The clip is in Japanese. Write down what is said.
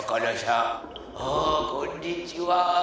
あこんにちは。